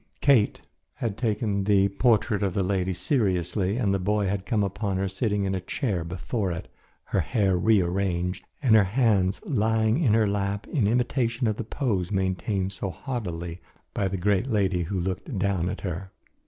Kate had taken the portrait of the lady seriously, and the boy had come upon her sitting in a chair before it, her hair rearranged and her hands lying in her lap in imitation of the pose maintained so haughtily by the great lady who looked down at her.